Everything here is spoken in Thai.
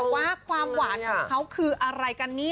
ว่าความหวานของเขาคืออะไรกันนี่